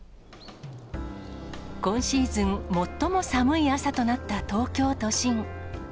今シーズン最も寒い朝となった東京都心。